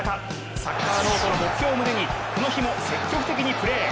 サッカーノートの目標を胸にこの日も積極的にプレー。